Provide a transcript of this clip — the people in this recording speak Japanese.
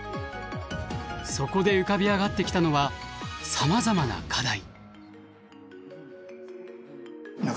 そこで浮かび上がってきたのはさまざまな課題。